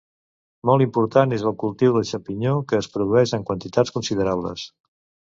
Molt important és el cultiu de xampinyó que es produïx en quantitats considerables.